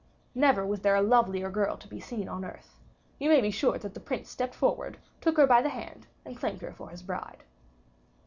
Never was there a lovelier girl to be seen on earth. You may be sure that the Prince stepped forward, took her by the hand, and claimed her for his bride.